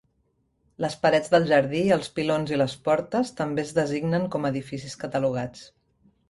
Les parets del jardí, els pilons i les portes també es designen com a edificis catalogats.